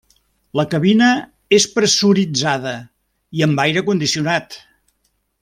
La cabina és pressuritzada i amb aire condicionat.